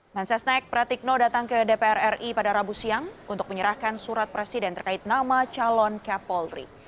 mensesnek pratikno datang ke dpr ri pada rabu siang untuk menyerahkan surat presiden terkait nama calon kepolri